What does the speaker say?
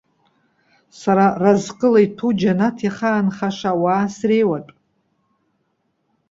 Сара, разҟыла иҭәу џьанаҭ иахаанхаша ауаа среиуатә.